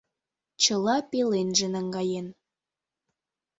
Чыла пеленже наҥгаен.